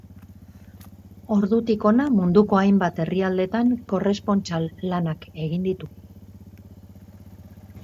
Ordutik hona munduko hainbat herrialdetan korrespontsal lanak egin ditu.